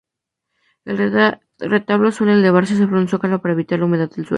El retablo suele elevarse sobre un zócalo para evitar la humedad del suelo.